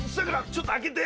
ちょっと開けて。